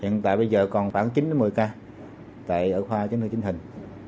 hiện tại bây giờ còn khoảng chín một mươi ca tại ở khoa chính hình